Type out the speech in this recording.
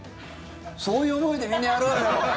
そういう思いでみんな、やろうよ！